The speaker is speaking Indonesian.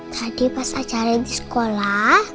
tadi pas acara ini sekolah